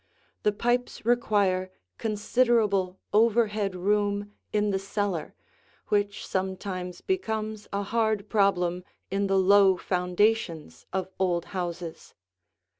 The pipes require considerable overhead room in the cellar, which sometimes becomes a hard problem in the low foundations of old houses.